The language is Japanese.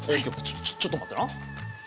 ちょちょっと待ってな。